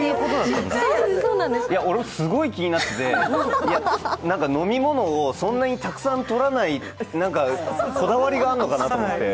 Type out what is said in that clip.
いや、俺もすごい気になってて何か飲み物をそんなにたくさんとらないこだわりがあるのかなと思って。